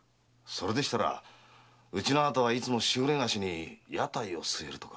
それでしたらうちの後はいつもしぐれ河岸に屋台を据えるとか。